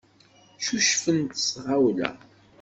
Ccucfent s tɣawla.